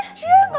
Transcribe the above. nggak ada makanan